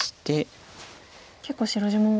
結構白地も。